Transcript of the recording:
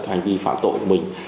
hành vi phạm tội của mình